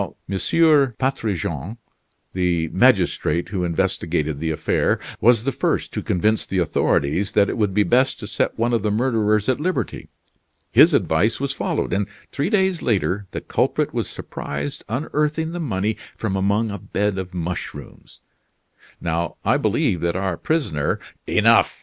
Patrigent, the magistrate who investigated the affair, was the first to convince the authorities that it would be best to set one of the murderers at liberty. His advice was followed; and three days later the culprit was surprised unearthing the money from among a bed of mushrooms. Now, I believe that our prisoner " "Enough!"